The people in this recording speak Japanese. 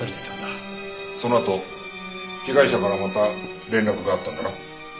そのあと被害者からまた連絡があったんだな？